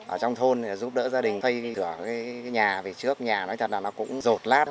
ở trong thôn giúp đỡ gia đình xây thửa cái nhà về trước nhà nói thật là nó cũng rột lát